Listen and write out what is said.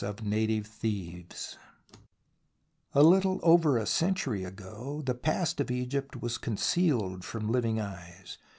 CHAPTER II A LITTLE over a century ago the past of Egypt was concealed from living eyes.